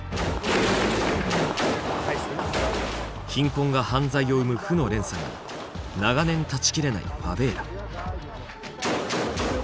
貧困が犯罪を生む負の連鎖が長年断ち切れないファベーラ。